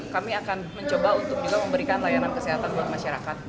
kami akan mencoba untuk memberikan layanan kesehatan bagi masyarakat di sini